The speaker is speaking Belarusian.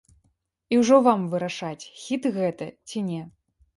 І ўжо вам вырашаць, хіт гэта, ці не.